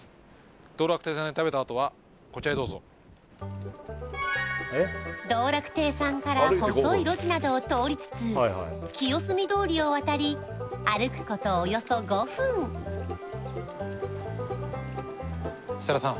道楽庭さんで食べたあとはこちらへどうぞ道楽庭さんから細い路地などを通りつつ清澄通りを渡り歩くことおよそ５分設楽さん